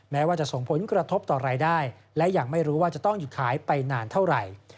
แม้ว่าจะส่งผลกระทบต่อรายได้และยังไม่รู้ว่าจะต้องหยุดขายไปนานเท่าไหร่